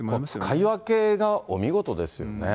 使い分けがお見事ですよね。